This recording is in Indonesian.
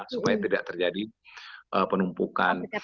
supaya tidak terjadi penumpukan